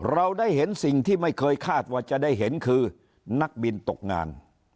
เราได้เห็นสิ่งที่ไม่เคยคาดว่าจะได้เห็นคือนักบินตกงาน